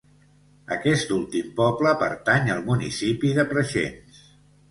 Aquest últim poble pertany al municipi de Preixens.